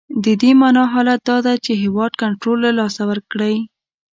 د دې حالت معنا دا ده چې هیواد کنټرول له لاسه ورکړی.